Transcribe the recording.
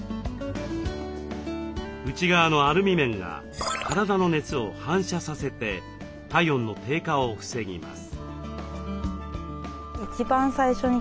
内側のアルミ面が体の熱を反射させて体温の低下を防ぎます。